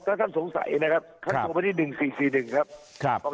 ถ้าท่านสงสัยนะครับครับท่านโทรมาที่หนึ่งสี่สี่หนึ่งครับ